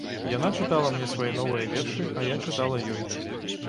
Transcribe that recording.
Яна чытала мне свае новыя вершы, а я чытала ёй.